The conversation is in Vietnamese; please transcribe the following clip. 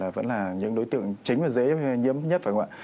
vẫn là những đối tượng chính là dễ nhiễm nhất phải không ạ